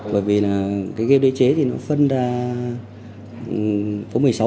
bởi vì là cái game đế chế thì nó phân ra có một mươi sáu quân thì nó